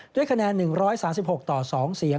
ด้วยคะแนน๑๓๖ต่อ๒เสียง